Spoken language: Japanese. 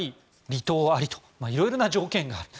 離島ありと色々な条件がある。